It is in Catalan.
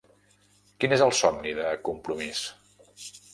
Quin és el somni de Compromís?